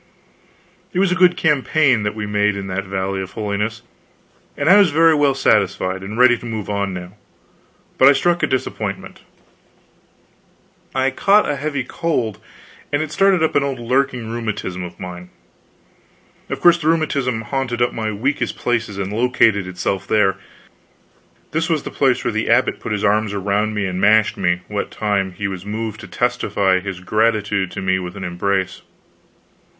It was a good campaign that we made in that Valley of Holiness, and I was very well satisfied, and ready to move on now, but I struck a disappointment. I caught a heavy cold, and it started up an old lurking rheumatism of mine. Of course the rheumatism hunted up my weakest place and located itself there. This was the place where the abbot put his arms about me and mashed me, what time he was moved to testify his gratitude to me with an embrace.